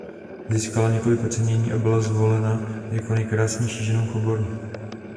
Získala několik ocenění a byla zvolena jako nejkrásnější žena v oboru.